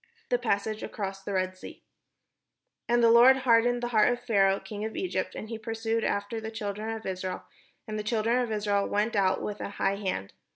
THE PASSAGE ACROSS THE RED SEA And the Lord hardened the heart of Pharaoh king of Egypt, and he pursued after the children of Israel; and the children of Israel went out with an high hand.